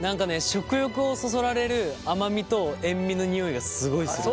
食欲をそそられる甘みと塩味の匂いがすごいする。